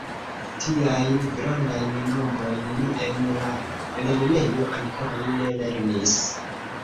Tiajn grandajn nombrojn ni en la lernejo ankoraŭ ne lernis.